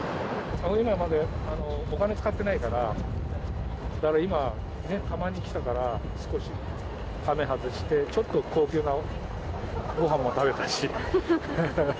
今はまだお金使ってないから、だから今ね、たまに来たから少しはめ外して、ちょっと高級なごはんも食べたし。